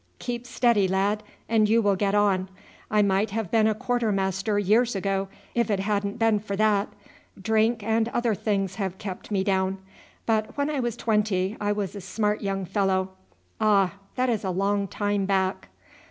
Keep steady, lad, and you will get on. I might have been a quarter master years ago if it hadn't been for that. Drink and other things have kept me down; but when I was twenty I was a smart young fellow. Ah! that is a long time back."